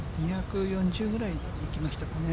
２４０ぐらいいきましたかね。